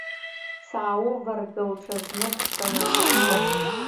Саауваргыл ҽазнык санаҭаххо.